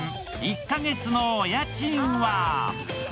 １カ月のお家賃は？